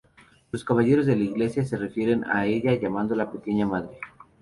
Los caballeros de la iglesia se refieren a ella llamándola "Pequeña Madre".